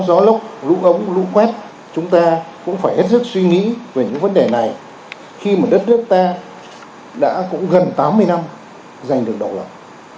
gió lốc lũ ống lũ quét chúng ta cũng phải hết sức suy nghĩ về những vấn đề này khi mà đất nước ta đã cũng gần tám mươi năm giành được độc lập